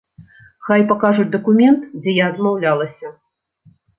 Хай пакажуць дакумент, дзе я адмаўлялася.